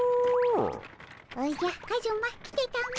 おじゃカズマ来てたも。